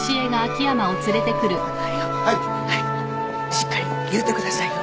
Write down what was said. しっかり言うてくださいよ。